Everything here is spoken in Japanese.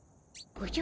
おじゃ？